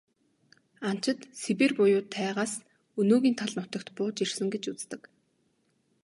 Анчид Сибирь буюу тайгаас өнөөгийн тал нутагт бууж ирсэн гэж үздэг.